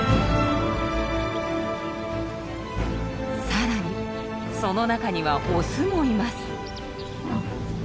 さらにその中にはオスもいます。